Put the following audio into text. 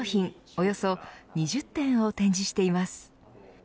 およそ２０点を展示しています。